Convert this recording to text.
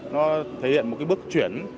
nó thể hiện một bước chuyển